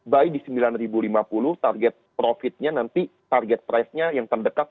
buy di rp sembilan lima puluh target profitnya nanti target price nya yang terdekat